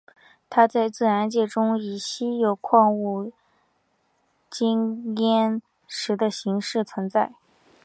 它在自然界中以稀有矿物羟铟石的形式存在。